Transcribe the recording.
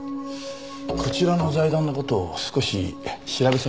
こちらの財団の事を少し調べさせて頂きました。